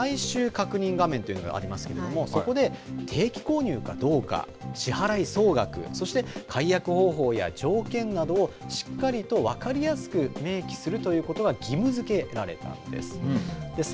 これ、最終確認画面というのがありますけれどもそこで、定期購入かどうか支払総額そして解約方法や条件などをしっかりと分かりやすく明記するということが義務づけられたんです。